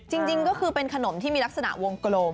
จริงก็คือเป็นขนมที่มีลักษณะวงกลม